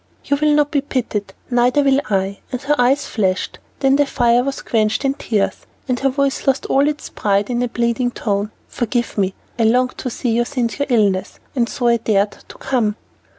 "You will not be pitied, neither will I," and her eyes flashed; then the fire was quenched in tears, and her voice lost all its pride in a pleading tone. "Forgive me, I longed to see you since your illness, and so I 'dared' to come."